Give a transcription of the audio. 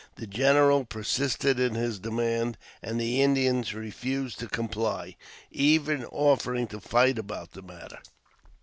The general persisted in his demand, and the Indians refused to comply, even offering to fight about the matter.